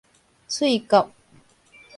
翠谷